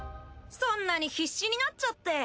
そんなに必死になっちゃって。